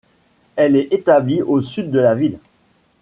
Elle est établie au sud de la ville.